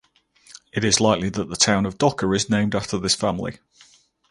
It is likely the town of Docker is named after this family.